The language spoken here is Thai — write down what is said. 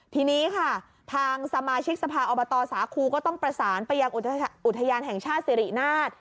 ทีนี้ค่ะทางสมาชิกสภาอบตสาครูก็ต้องประสานไปยังอุทยานแห่งชาติสิรินาท